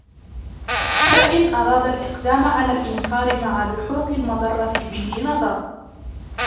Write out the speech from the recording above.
فَإِنْ أَرَادَ الْإِقْدَامَ عَلَى الْإِنْكَارِ مَعَ لُحُوقِ الْمَضَرَّةِ بِهِ نَظَرَ